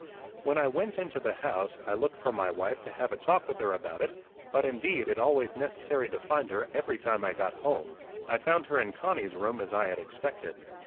When I went into the house, I looked for my wife to have a talk with her about it; but, indeed, it always necessary to find her every time I got home. I found her in Connie's room as I had expected.